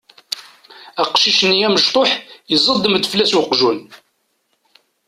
Aqcic-nni amecṭuḥ iẓeddem-d fell-as uqjun.